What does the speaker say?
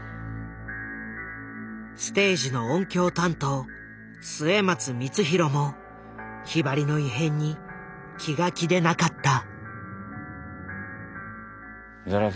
ステージの音響担当末松光廣もひばりの異変に気が気でなかった。